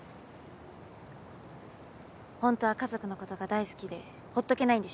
ホントは家族のことが大好きでほっとけないんでしょ？